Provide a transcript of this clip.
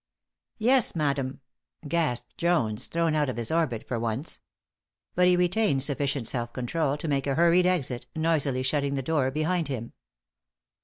"Yes, madam," gasped Jones, thrown out of his orbit for once. But he retained sufficient self control to make a hurried exit, noisily shutting the door behind him.